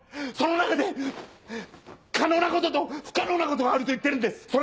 その中で可能なことと不可能なことがあると言ってるんです！